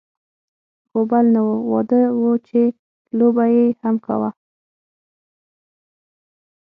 غوبل نه و، واده و چې لو به یې هم کاوه.